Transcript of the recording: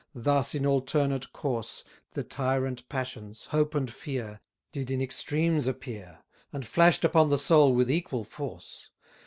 Thus, in alternate course, The tyrant passions, hope and fear, Did in extremes appear, And flash'd upon the soul with equal force.